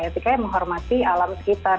etika yang menghormati alam sekitar